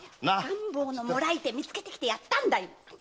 赤ん坊のもらい手見つけてきてやったんだよ！